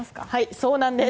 そうなんです。